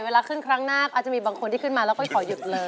เวลาขึ้นครั้งหน้าก็อาจจะมีบางคนที่ขึ้นมาแล้วก็ขอหยุดเลย